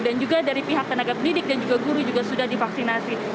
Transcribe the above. dan juga dari pihak tenaga pendidik dan juga guru juga sudah divaksinasi